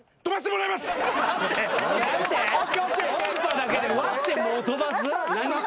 音波だけで割ってもう飛ばす？